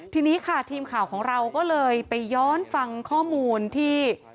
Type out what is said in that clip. ทีนี้ค่ะทีมข่าวของเราก็เลยไปย้อนฟังข้อมูลที่